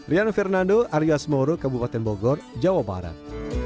rian fernando aryo asmoro kabupaten bogor jawa barat